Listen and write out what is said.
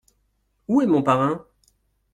Où est mon parrain ?